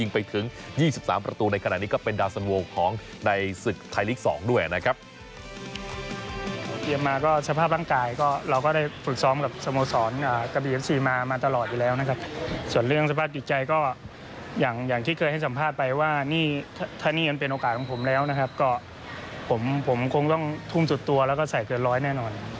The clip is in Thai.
เพิ่งต้องทุ่มสุดตัวและงั้งใส่เกิดร้อยแน่นอน